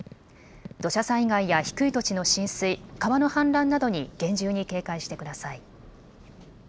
土砂災害や低い土地の浸水、川の氾濫などに厳重に警戒してください。